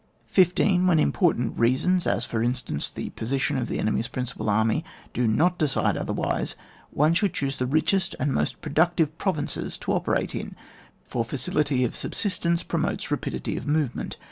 15. When important reasons (as for instance the position of the enemy's prin cipal army) do not decide otherwise, one should choose the richest and most pro ductive provinces to operate in, for facility of subsistence promotes rapidity of movement.